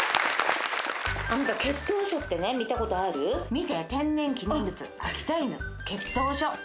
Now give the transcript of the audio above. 見て天然記念物秋田犬血統書。